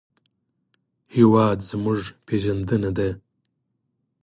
هېواد زموږ پېژندنه ده